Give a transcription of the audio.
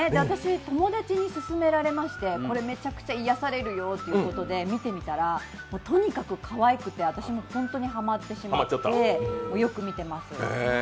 私、友達に勧められまして、これ、めちゃくちゃ癒やされるよということで見てみたらとにかくかわいくて、私も本当にハマってしまってよくみてます。